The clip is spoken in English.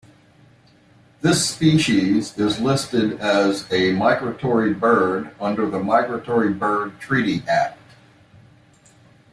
This species is listed as a migratory bird under the Migratory Bird Treaty Act.